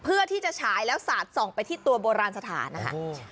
เพื่อที่จะฉายแล้วสาดส่องไปที่ตัวโบราณสถานนะคะโอ้